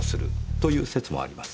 という説もあります。